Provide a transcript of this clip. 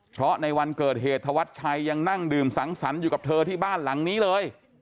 เพราะในวันเกิดเหตุธวัชชัยยังนั่งดื่มสังสรรค์อยู่กับเธอที่บ้านหลังนี้เลย